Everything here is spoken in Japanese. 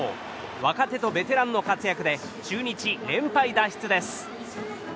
若手とベテランの活躍で中日、連敗脱出です。